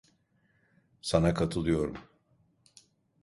Sana katılıyorum.